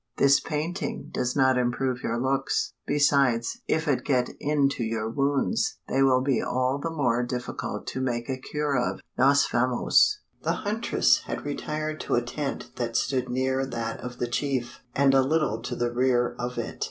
This painting does not improve your looks; besides, if it get into your wounds, they will be all the more difficult to make a cure of. Nos vamos!" The huntress had retired to a tent that stood near that of the chief, and a little to the rear of it.